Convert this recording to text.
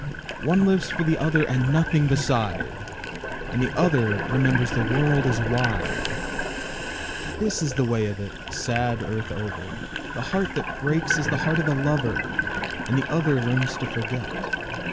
One lives for the other and nothing beside, And the other remembers the world is wide. This is the way of it, sad earth over, The heart that breaks is the heart of the lover, And the other learns to forget.